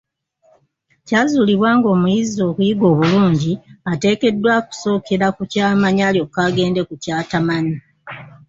Kyazuulibwa nga omuyizi okuyiga obulungi, ateekeddwa kusookera ku kyamanyi alyoke agende ku kyatamanyi.